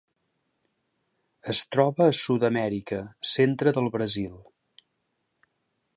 Es troba a Sud-amèrica: centre del Brasil.